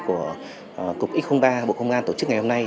của cục x ba bộ công an tổ chức ngày hôm nay